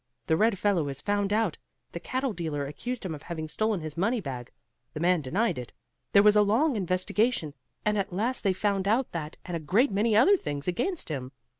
The red fellow is found out! The cattle dealer accused him of having stolen his money bag. The man denied it; there was a long investigation, and at last they found out that and a great many other things against him.